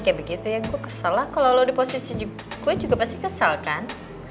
kayak begitu ya gue kesel lah kalau lo di posisi gue juga pasti kesal kan